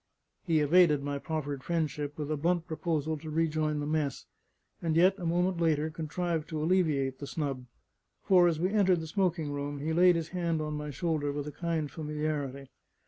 He evaded my proffered friendship with a blunt proposal to rejoin the mess; and yet a moment later, contrived to alleviate the snub. For, as we entered the smoking room, he laid his hand on my shoulder with a kind familiarity.